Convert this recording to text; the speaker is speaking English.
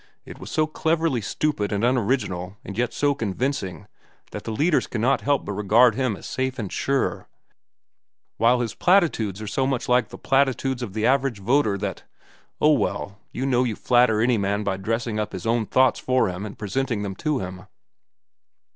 It was so cleverly stupid and unoriginal, and also so convincing, that the leaders cannot help but regard him as safe and sure, while his platitudes are so much like the platitudes of the average voter that—oh, well, you know you flatter any man by dressing up his own thoughts for him and presenting them to him."